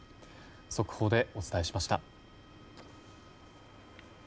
速報でお伝えしました。